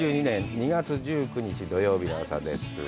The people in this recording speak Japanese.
２０２２年２月１９日、土曜日の朝です。